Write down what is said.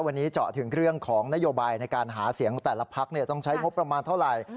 วันนี้เจาะถึงเรื่องของนโยบายในการหาเสียงแต่ละพักต้องใช้งบประมาณเท่าไหร่